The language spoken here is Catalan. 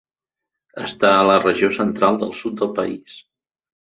Està a la regió central del sud del país.